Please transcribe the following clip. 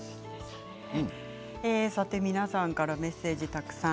皆さんからメッセージたくさん。